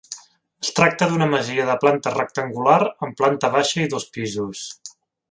Es tracta d'una masia de planta rectangular amb planta baixa i dos pisos.